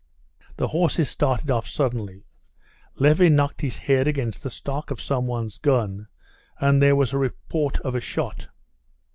The horses started off suddenly, Levin knocked his head against the stock of someone's gun, and there was the report of a shot.